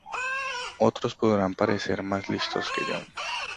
Otros podrán parecer más listos que yo